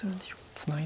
ツナいで